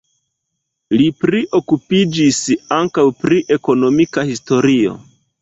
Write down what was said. Li priokupiĝis ankaŭ pri ekonomika historio.